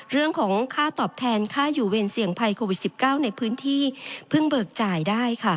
เรื่องของค่าตอบแทนค่าอยู่เวรเสี่ยงภัยโควิด๑๙ในพื้นที่เพิ่งเบิกจ่ายได้ค่ะ